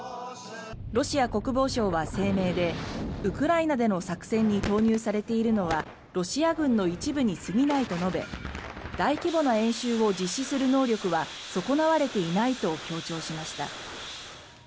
ロシア国防省は声明でウクライナでの作戦に投入されているのはロシア軍の一部に過ぎないと述べ大規模な演習を実施する能力は損なわれていないと強調しました。